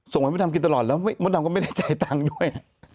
ส่งให้มดดำกินตลอดแล้วมดดำก็ไม่ได้จ่ายตังค์ด้วย